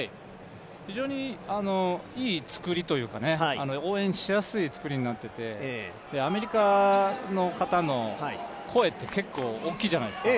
非常にいい造りというか、応援しやすい造りになっていてアメリカの方の声って結構大きいじゃないですか。